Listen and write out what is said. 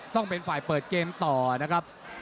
ต้องเป็นฝ่ายเปิดเกมต่อนะครับ